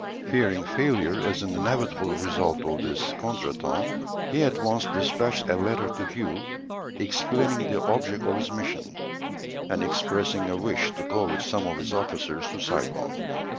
Fearing failure as an inevitable result of this contretemps he at once despatched a letter to Hué, explaining the object of his mission, and expressing a wish to go with some of his officers to Saigon.